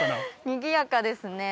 にぎやかですね。